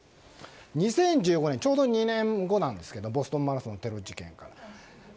２０１５年、ちょうど２年後なんですがボストンマラソンの事件から。